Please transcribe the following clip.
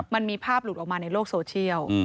มันมีภาพหลุดออกมาในโลกโซเชียล